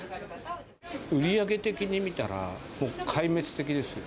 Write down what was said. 売り上げ的に見たら、壊滅的ですよ。